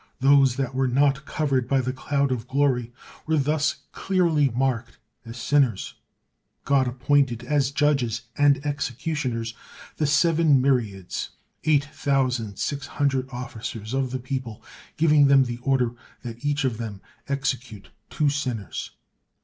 Those that were not covered by the cloud of glory were thus clearly marked as sinners. God appointed as judges and executioners the seven myriads eight thousand six hundred officers of the people, giving them the order that each of them execute two sinners.